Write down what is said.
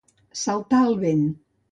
Saltar el vent.